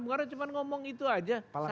bung karno cuma ngomong itu aja santai aja